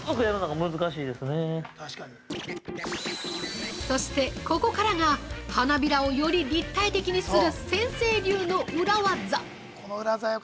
◆そしてここからが、花びらをより立体的にする先生流の裏技。